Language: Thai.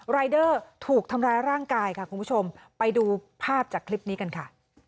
รายเดอร์ถูกทำร้ายร่างกายค่ะคุณผู้ชมไปดูภาพจากคลิปนี้กันค่ะ